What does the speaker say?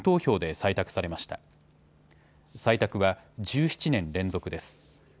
採択は１７年連続です。